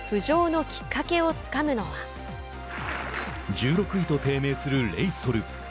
１６位と低迷するレイソル。